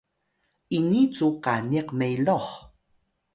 ini cu qaniq meluh